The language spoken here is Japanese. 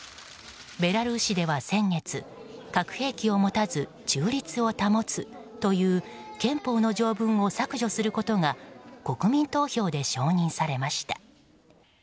ベラルーシでは先月核兵器を持たず中立を保つという憲法の条文を削除することが国民投票で承認されました。